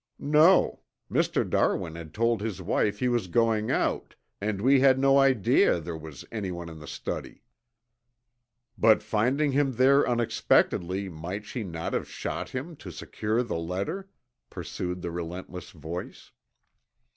"No. Mr. Darwin had told his wife he was going out and we had no idea there was anyone in the study." "But finding him there unexpectedly might she not have shot him to secure the letter?" pursued the relentless voice.